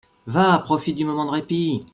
Va ! profite du moment de répit !